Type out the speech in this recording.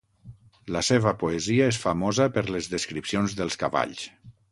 La seva poesia és famosa per les descripcions dels cavalls.